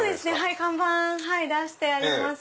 看板出してあります。